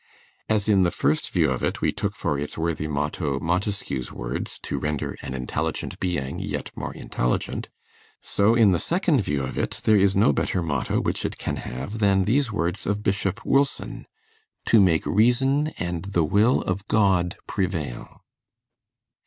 As in the first view of it we took for its worthy motto Montesquieu's words, "To render an intelligent being yet more intelligent!" so in the second view of it there is no better motto which it can have than these words of Bishop Wilson: "To make reason and the will of God prevail."